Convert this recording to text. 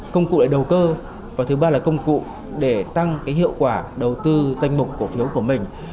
công cụ lại đầu cơ và thứ ba là công cụ để tăng hiệu quả đầu tư danh mục cổ phiếu của mình